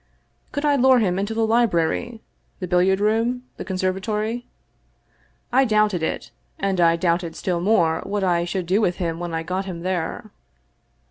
Could I lure him into the library — the billiard room — the conservatory ? I doubted it, and I doubted still more what I should do with him when I got him there.